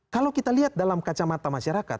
kalau kita lihat dalam kacamata masyarakat